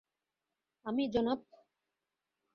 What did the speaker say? আমি, জনাব?